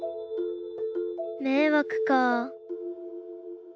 迷惑か。